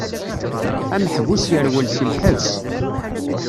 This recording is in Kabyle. Ameḥbus yerwel si lḥebs.